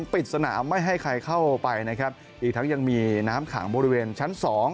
ไปนะครับอีกทั้งยังมีน้ำขางบริเวณชั้น๒